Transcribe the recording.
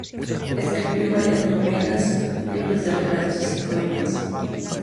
Escribió varias novelas, libros de relatos y poemas.